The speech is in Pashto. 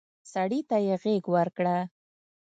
سړي ته يې غېږ ورکړه.